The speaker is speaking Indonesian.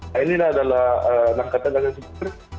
nah inilah adalah langkah tegas yang sebetulnya